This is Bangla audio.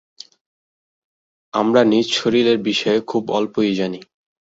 আমরা নিজ শরীরের বিষয় খুব অল্পই জানি।